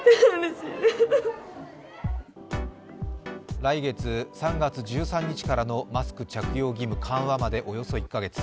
来月３月１３日からのマスク着用義務緩和までおよそ１か月。